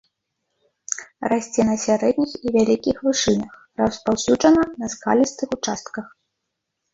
Расце на сярэдніх і вялікіх вышынях, распаўсюджана на скалістых участках.